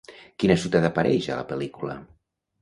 Quina ciutat apareix a la pel·lícula?